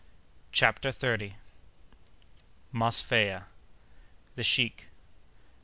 CHAPTER THIRTIETH. Mosfeia.—The Sheik.